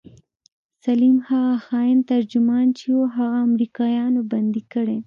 سليم هغه خاين ترجمان چې و هغه امريکايانو بندي کړى.